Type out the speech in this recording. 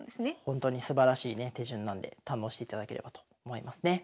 ほんとにすばらしいね手順なんで堪能していただければと思いますね。